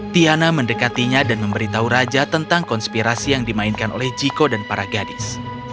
tiana mendekatinya dan memberitahu raja tentang konspirasi yang dimainkan oleh jiko dan para gadis